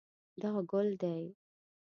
دا ګل دی